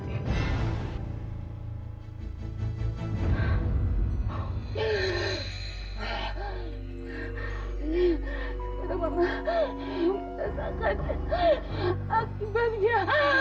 tidak mama aku tidak akan akibatnya